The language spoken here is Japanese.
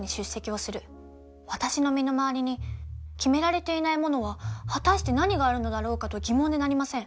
私の身の回りに決められていないものは果たして何があるのだろうかと疑問でなりません。